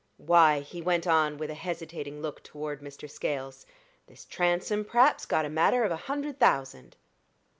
Why," he went on, with a hesitating look toward Mr. Scales, "this Transome p'r'aps got a matter of a hundred thousand."